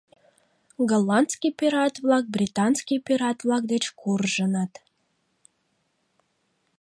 Голландский пират-влак британский пират-влак деч куржыныт.